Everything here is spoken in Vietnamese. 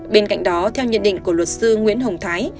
bên cạnh đó theo nhận định của luật sư nguyễn hồng thái